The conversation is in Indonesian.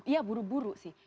iya buru buru sih